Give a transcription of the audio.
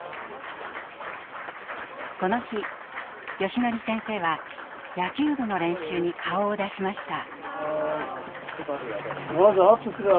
この日よしのり先生は野球部の練習に顔を出しました。